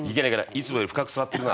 いつもより深く座ってるな。